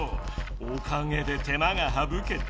おかげで手間がはぶけた。